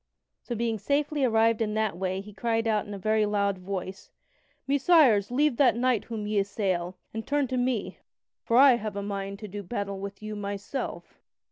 So being safely arrived in that way he cried out in a very loud voice: "Messires, leave that knight whom ye assail, and turn to me, for I have a mind to do battle with you myself."